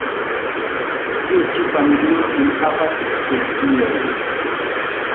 Tio ĉi familio enhavas speciojn.